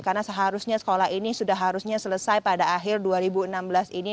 karena seharusnya sekolah ini sudah harusnya selesai pada akhir dua ribu enam belas ini